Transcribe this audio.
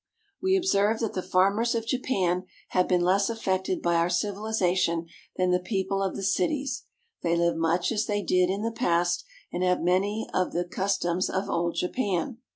We observe that the farmers of Japan have been less affected by our civilization than the people of the cities. They live much as they did in the past, and have many of the customs of old Japan.